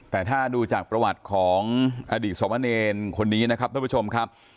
แต่ถ้าดูจากประวัติของอดีตสมเนรคนนี้นะครับท่านผู้ชมครับ